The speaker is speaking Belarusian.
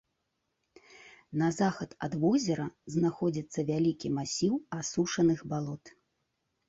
На захад ад возера знаходзіцца вялікі масіў асушаных балот.